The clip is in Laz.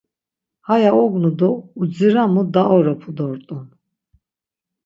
Haya ognu do udziramu daoropu dort̆un.